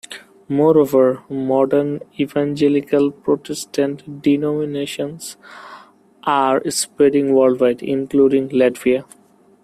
Moreover, modern Evangelical Protestant denominations are spreading worldwide, including Latvia.